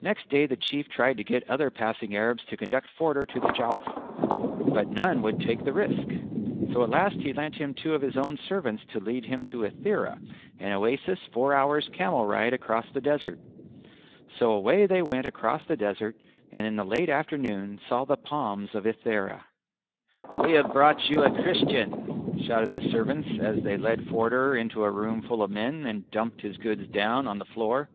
Next day the Chief tried to get other passing Arabs to conduct Forder to the Jowf, but none would take the risk. So at last he lent him two of his own servants to lead him to Ithera an oasis four hours' camel ride across the desert. So away they went across the desert and in the late afternoon saw the palms of Ithera. "We have brought you a Christian," shouted the servants as they led Forder into a room full of men, and dumped his goods down on the floor.